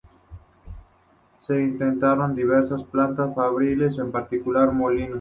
Se instalaron diversas plantas fabriles, en particular molinos.